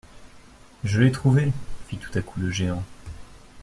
Je l'ai trouvé ! fit tout à coup le géant.